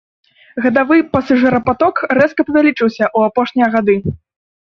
Гадавы пасажырапаток рэзка павялічыўся ў апошнія гады.